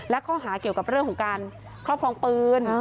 และข้อหาเกี่ยวกับเรื่องของการครอบครองปืน